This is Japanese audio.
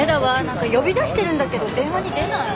なんか呼び出してるんだけど電話に出ない。